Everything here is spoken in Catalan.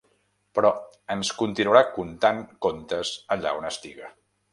Però ens continuarà contant contes allà on estiga.